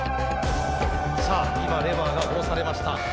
さあ今レバーが下ろされました。